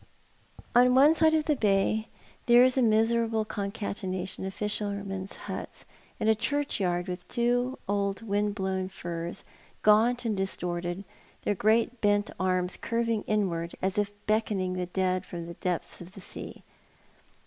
On one side of the bay there is a miserable concatenation of fishermen's huts, and a churchyard with two old wind blown firs, gaunt and distorted, their great bent arras curving inward as if beckoning the dead from the depths of the sea.